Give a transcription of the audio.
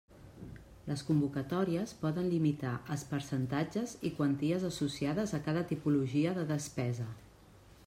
Les convocatòries poden limitar els percentatges i quanties associades a cada tipologia de despesa.